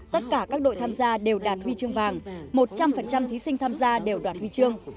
tất cả các đội tham gia đều đạt huy chương vàng một trăm linh thí sinh tham gia đều đoạt huy chương